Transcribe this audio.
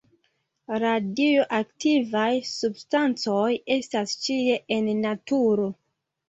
Radioaktivaj substancoj estas ĉie en naturo.